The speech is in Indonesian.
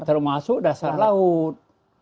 termasuk dasar laut